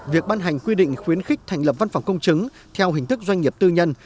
việc ban hành quy định khuyến khích thành lập văn phòng công chứng theo hình thức doanh nghiệp tư nhân